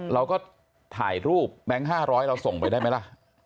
เราก็ถ่ายรูปแบงค์๕๐๐เราส่งไปได้ไหมล่ะ